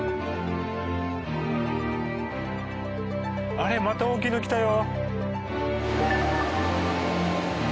あれまた大きいの来たよ。